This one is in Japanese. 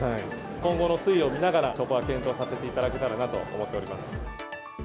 今後の推移を見ながら、そこは変更させていただけたらなと思っております。